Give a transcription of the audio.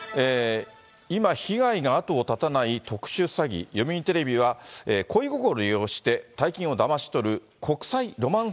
今、被害が後を絶たない特殊詐欺、読売テレビは恋心を利用して大金をだまし取る国際ロマンス